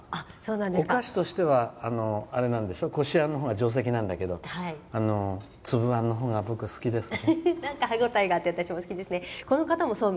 お菓子としてはこしあんのほうが上席なんだけどつぶあんのほうが僕は好きですね。